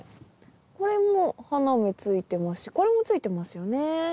これも花芽ついてますしこれもついてますよね。